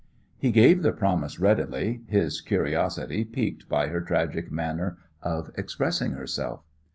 He gave the promise readily, his curiosity piqued by her tragic manner of expressing herself.